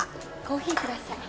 コーヒー下さい。